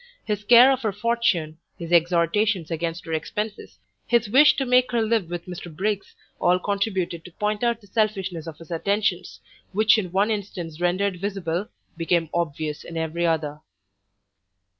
His care of her fortune, his exhortations against her expences, his wish to make her live with Mr Briggs, all contributed to point out the selfishness of his attentions, which in one instance rendered visible, became obvious in every other.